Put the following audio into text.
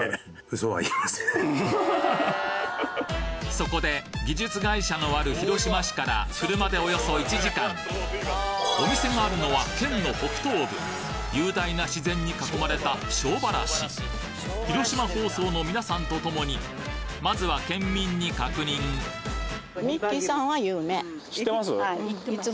そこで技術会社のある広島市から車でおよそ１時間お店があるのは県の北東部雄大な自然に囲まれた庄原市まずは県民に確認知ってます？